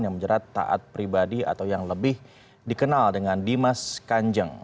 yang menjerat taat pribadi atau yang lebih dikenal dengan dimas kanjeng